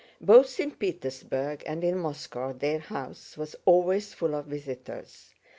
Both in Petersburg and in Moscow their house was always full of visitors.